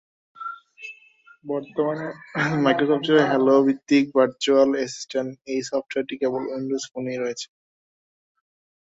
বর্তমানে মাইক্রোসফটের হ্যালো ভিত্তিক ভারচুয়াল অ্যাসিসটেন্ট এই সফটওয়্যারটি কেবল উইন্ডোজ ফোনেই রয়েছে।